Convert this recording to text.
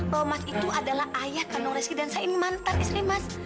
bahwa mas itu adalah ayah kandung resi dan saya ini mantan istri mas